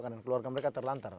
karena keluarga mereka terlantar